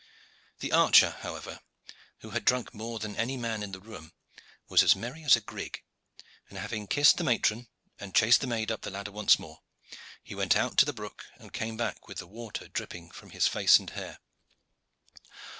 The archer, however, who had drunk more than any man in the room, was as merry as a grig, and having kissed the matron and chased the maid up the ladder once more, he went out to the brook, and came back with the water dripping from his face and hair.